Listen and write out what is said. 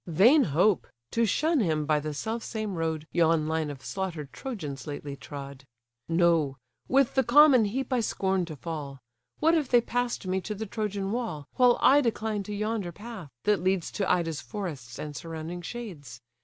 Vain hope! to shun him by the self same road Yon line of slaughter'd Trojans lately trod. No: with the common heap I scorn to fall— What if they pass'd me to the Trojan wall, While I decline to yonder path, that leads To Ida's forests and surrounding shades?